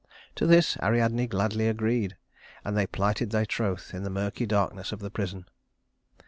To this Ariadne gladly agreed, and they plighted their troth in the murky darkness of the prison.